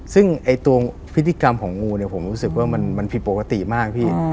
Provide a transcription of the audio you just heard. ซึ่งตัวพฤติกรรมของงูเนี่ยผมรู้สึกว่ามันผิดปกติมากพี่